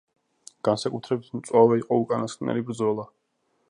განსაკუთრებით მწვავე იყო უკანასკნელი ბრძოლა.